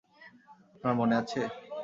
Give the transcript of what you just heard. আপনার মনে আছে?